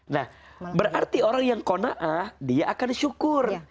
nah berarti orang yang kona'ah dia akan syukur